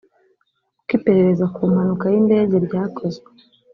ukora iperereza ku mpanuka y’indege ryakozwe